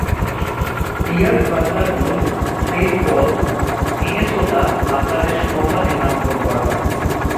Pears Butler Route, Saint Paul, Minnesota, বাটলারের সম্মানে নামকরণ করা হয়।